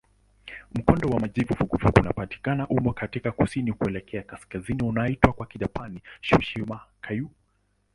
Mkondo wa maji vuguvugu unapita humo kutoka kusini kuelekea kaskazini unaoitwa kwa Kijapani "Tsushima-kairyū".